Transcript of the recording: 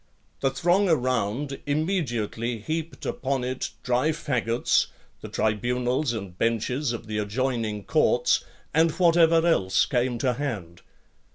The throng around immediately heaped upon it dry faggots, the tribunals and benches of the adjoining courts, and whatever else came to hand.